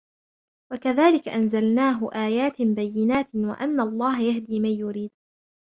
وكذلك أنزلناه آيات بينات وأن الله يهدي من يريد